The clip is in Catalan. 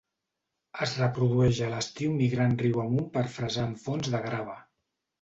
Es reprodueix a l'estiu migrant riu amunt per fresar en fons de grava.